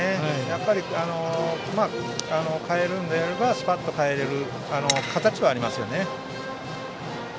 やっぱり代えるのであればスパッと代えられる形はあります。